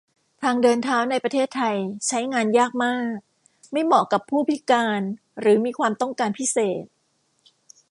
ทางเดินเท้าในประเทศไทย ใช้งานยากมาก ไม่เหมาะกับผู้พิการหรือมีความต้องการพิเศษ